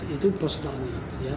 itu proses perangkat